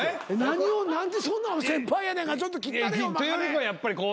何を何でそんなの先輩やねんからちょっと切ったれよ金。